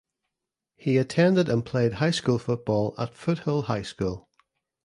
He attended and played high school football at Foothill High School.